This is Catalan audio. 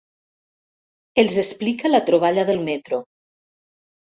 Els explica la troballa del metro.